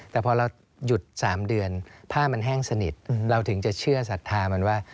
แต่พอเราหยุด๓เดือนผ้ามันแห้งสนิทเราถึงจะเชื่อศรัทธามันว่า